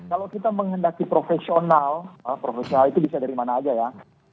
kalau kita menghendaki profesional profesional itu bisa dari mana aja ya